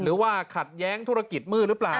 หรือว่าขัดแย้งธุรกิจมืดหรือเปล่า